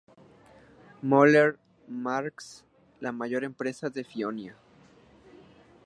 Møller-Mærsk, la mayor empresa de Fionia.